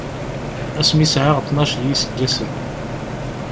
Asmi i sɛiɣ tnac n yiseggasen.